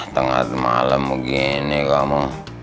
tengah malem begini kamu